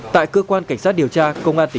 tại cơ quan cảnh sát điều tra công an phát triển